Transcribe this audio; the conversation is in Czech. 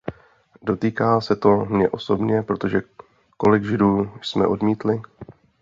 Dotýká se to mě osobně, protože kolik Židů jsme odmítli?